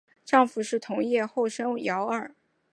丈夫是同业后藤圭二。